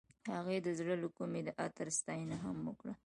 هغې د زړه له کومې د عطر ستاینه هم وکړه.